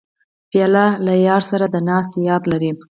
پیاله له یار سره د ناستې یاد لري.